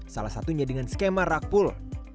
salah satunya dengan skema rakpul